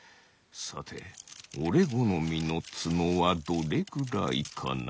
さておれごのみのつのはどれくらいかな？